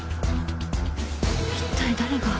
一体誰が？